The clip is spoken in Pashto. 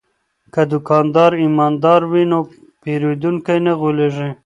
که دوکاندار ایماندار وي نو پیرودونکی نه غولیږي.